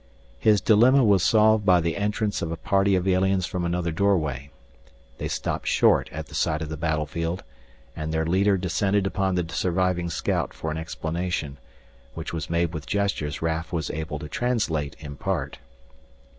His dilemma was solved by the entrance of a party of aliens from another doorway. They stopped short at the sight of the battlefield, and their leader descended upon the surviving scout for an explanation, which was made with gestures Raf was able to translate in part.